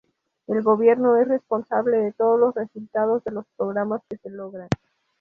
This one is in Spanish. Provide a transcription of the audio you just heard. El gobierno es responsable de todos los resultados de los programas que se logran.